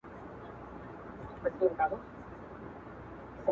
د ژوند په وروستيو شپو ورځو کي